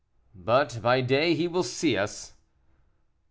"But by day he will see us."